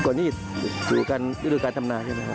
ก่อนนี้อยู่กันฤดูการทำนาใช่ไหมครับ